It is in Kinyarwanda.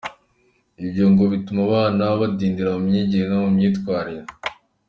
Ibyo ngo bituma abana badindira mu myigire no mu myitwarire.